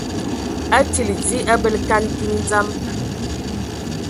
Atili dzi a bələ kan kiŋ dzam.